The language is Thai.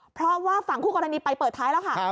เพราะว่าฝั่งคู่กรณีไปเปิดท้ายแล้วค่ะ